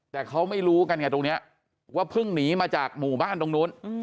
แต่เขาไม่รู้กันไงตรงนี้ว่าเพิ่งหนีมาจากหมู่บ้านตรงนู้น